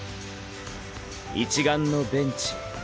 一丸のベンチ。